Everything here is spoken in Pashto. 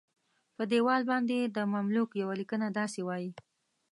په دیوال باندې د مملوک یوه لیکنه داسې وایي.